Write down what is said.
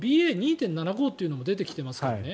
２．７５というのも出てきていますからね。